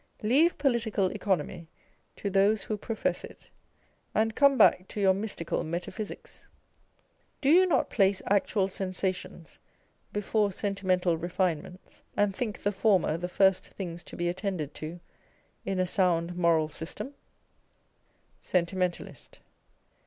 Leave Political Economy to those who profess it, and come back to your mystical metaphysics. Do you not place actual sensations before sentimental refinements, and think the former the first things to bo attended to in a sound moral system ? Sentimentalist.